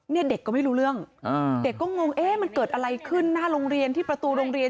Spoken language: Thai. เด็กก็ไม่รู้เรื่องเด็กก็งงเอ๊ะมันเกิดอะไรขึ้นหน้าโรงเรียนที่ประตูโรงเรียน